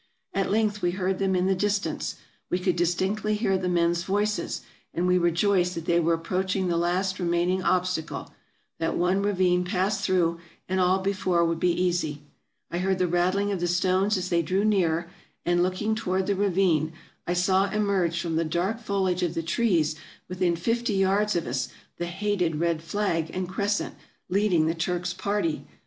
At length we heard them in the distance. We could distinctly hear the men's voices, and we rejoiced that they were approaching the last remaining obstacle ; that one ravine passed through, and all before would be easy. I heard the rattling of the stones as they drew nearer ; and, looking toward the ravine, I saw emerge from the dark foliage of the trees within fifty yards of us the hated red flag and crescent, leading the Turks' party!